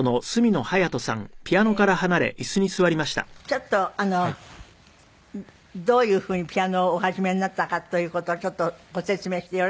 ちょっとどういうふうにピアノをお始めになったかという事をちょっとご説明してよろしいですか？